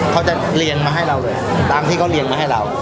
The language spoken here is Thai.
เขาจะเรียนมาให้เราเลยตามที่เขาเรียนมาให้เรา